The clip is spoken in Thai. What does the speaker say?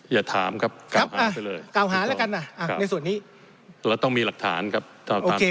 อย่าถามครับกล่าวหาไปเลย